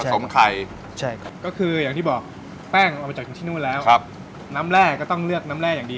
เพื่อจะได้เส้นที่เหมือนกับที่นู่น